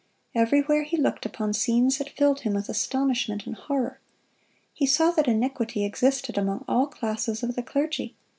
Everywhere he looked upon scenes that filled him with astonishment and horror. He saw that iniquity existed among all classes of the clergy.